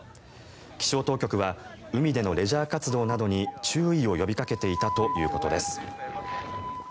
気象当局は海でのレジャー活動などに注意を呼びかけていたということです。